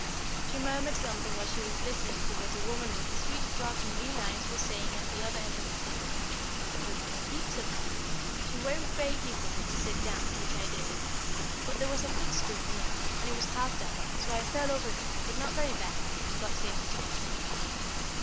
She murmured something while she was listening to what a woman with a sweet frock and green eyes was saying at the other end of the table. There was heaps of tea. She waved vaguely for me to sit down, which I did; but there was a footstool near, and it was half dark, so I fell over that, but not very badly, and got safely to my seat.